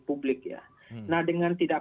publik ya nah dengan tidak